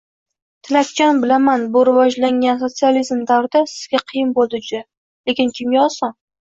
«Tilakjon, bilaman, bu «rivojlangan sotsializm davrida» Sizga qiyin bo‘ldi. Juda. Lekin kimga oson?